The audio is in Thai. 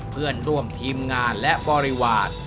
เพื่อนร่วมทีมงานและบริวาส